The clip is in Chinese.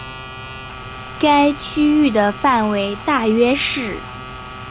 该区域的范围大约是。